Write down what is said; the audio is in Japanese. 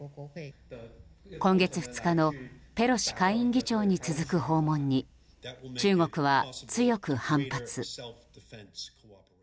今月２日のペロシ下院議長に続く訪問に中国は強く反発。